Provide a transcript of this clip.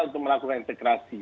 untuk melakukan integrasi